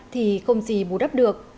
thì không gì bù đắp được